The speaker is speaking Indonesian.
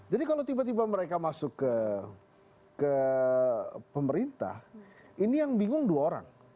jadi kalau tiba tiba mereka masuk ke pemerintah ini yang bingung dua orang